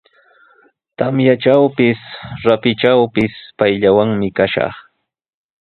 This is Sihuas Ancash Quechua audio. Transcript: Tamyatrawpis, rapitrawpis payllawanmi kashaq.